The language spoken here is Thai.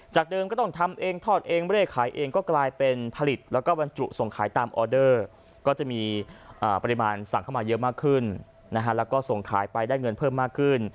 เดิมก็ต้องทำเองทอดเองไม่ได้ขายเองก็กลายเป็นผลิตแล้วก็บรรจุส่งขายตามออเดอร์ก็จะมีปริมาณสั่งเข้ามาเยอะมากขึ้นแล้วก็ส่งขายไปได้เงินเพิ่มมากขึ้น